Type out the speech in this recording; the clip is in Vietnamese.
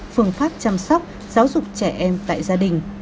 phương pháp chăm sóc giáo dục trẻ em tại gia đình